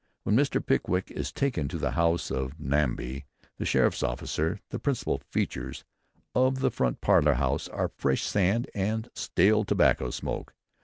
When Mr. Pickwick is taken to the house of Namby, the sheriffs' officer, the "principal features" of the front parlour are "fresh sand and stale tobacco smoke."